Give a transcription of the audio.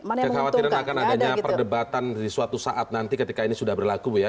kekhawatiran akan adanya perdebatan di suatu saat nanti ketika ini sudah berlaku ya